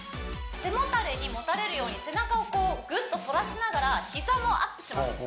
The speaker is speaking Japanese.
背もたれにもたれるように背中をこうグッとそらしながら膝もアップします